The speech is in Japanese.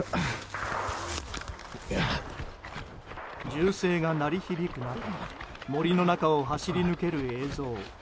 銃声が鳴り響く中森の中を走り抜ける映像。